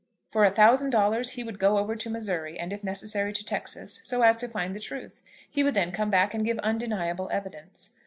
For a thousand dollars he would go over to Missouri, and, if necessary to Texas, so as to find the truth. He would then come back and give undeniable evidence.